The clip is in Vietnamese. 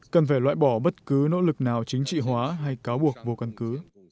cần phải loại bỏ bất cứ nỗ lực nào chính trị hóa hay cáo buộc vô căn cứ